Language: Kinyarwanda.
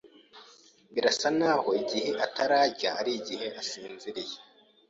Birasa nkaho igihe atarya ari igihe asinziriye.